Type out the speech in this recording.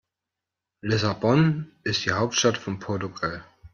Lissabon ist die Hauptstadt von Portugal.